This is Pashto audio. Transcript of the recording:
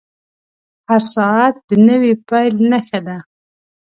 • هر ساعت د نوې پیل نښه ده.